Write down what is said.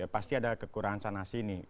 pasti ada kekurangan sana sini